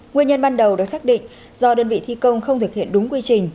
nguyên nhân ban đầu được xác định do đơn vị thi công không thực hiện đúng quy trình